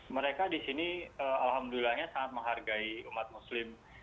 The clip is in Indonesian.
mereka di sini alhamdulillahnya sangat menghargai umat muslim